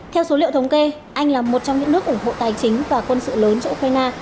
theo số liệu thống kê anh là một trong những nước ủng hộ tài chính và quân sự lớn cho ukraine